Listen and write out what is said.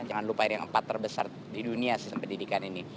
jangan lupa ada yang empat terbesar di dunia sistem pendidikan ini